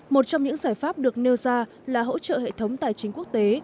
một trong những giải pháp được nêu ra là hỗ trợ hệ thống tài chính quốc tế